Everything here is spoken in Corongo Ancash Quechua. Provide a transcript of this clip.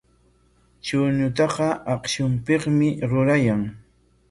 Chuñutaqa akshupikmi rurayan.